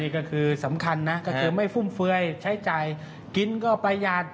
นี่ก็คือสำคัญไม่ฟุ่มเฟ้ยใช้ใจกินก็ประหยัด